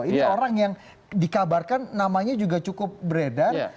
ini orang yang dikabarkan namanya juga cukup beredar